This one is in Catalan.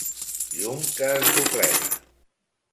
Llum que es doblega.